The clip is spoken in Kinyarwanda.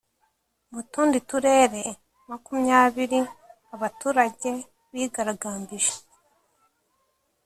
Mu tundi turere makumyabiri abaturage bigaragambije